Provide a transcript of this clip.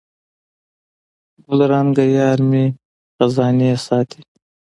ګلرنګه یارمي خزانې ساتي